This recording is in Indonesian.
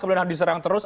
kemudian diserang terus